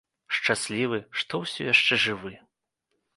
Шчаслівы, што ўсё яшчэ жывы.